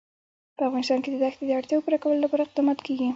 په افغانستان کې د دښتې د اړتیاوو پوره کولو لپاره اقدامات کېږي.